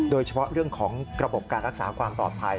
โดยเฉพาะเรื่องของระบบการรักษาความปลอดภัย